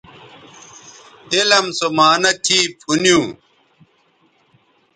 علم سو معانہ تھی پُھنیوں